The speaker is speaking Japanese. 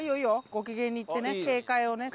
ご機嫌に行ってね警戒をね取って。